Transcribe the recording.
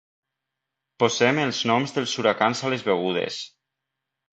Posem els noms dels huracans a les begudes.